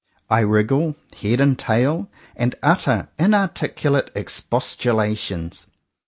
I wriggle, head and tail, and utter inarticulate expostulations.